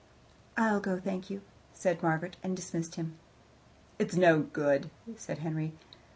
"I'll go, thank you," said Margaret, and dismissed him. "It is no good," said Henry.